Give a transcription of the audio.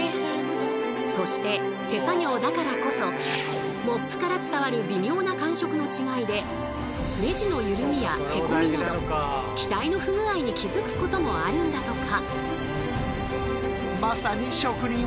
そして手作業だからこそモップから伝わる微妙な感触の違いでネジの緩みやへこみなど機体の不具合に気づくこともあるんだとか。